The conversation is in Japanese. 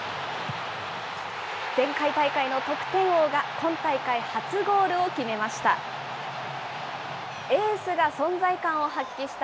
前回大会の得点王が、今大会初ゴールを決めました。